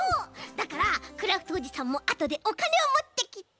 だからクラフトおじさんもあとでおかねをもってきて。